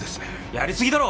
やりすぎだろ！